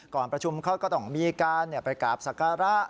ก่อนประชุมเขาก็ต้องมีการเป็นการประกาศศักรรณ์